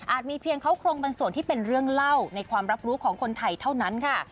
เพียงเขาโครงบางส่วนที่เป็นเรื่องเล่าในความรับรู้ของคนไทยเท่านั้นค่ะ